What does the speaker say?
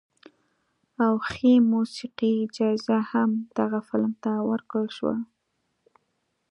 او ښې موسیقۍ جایزه هم دغه فلم ته ورکړل شوه.